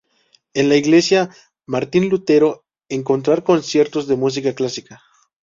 En la Iglesia Martín Lutero encontrar Conciertos de Música clásica.